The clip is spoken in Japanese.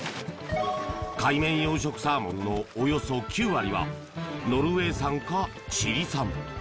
海面養殖サーモンのおよそ９割はノルウェー産か、チリ産。